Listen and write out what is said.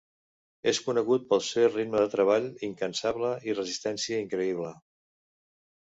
És conegut pel seu ritme de treball incansable i resistència increïble.